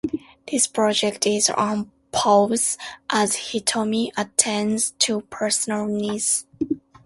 This project is on pause as Hitomi attends to personal needs.